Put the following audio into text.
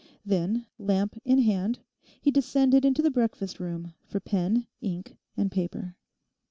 Then, lamp in hand, he descended into the breakfast room for pen, ink, and paper.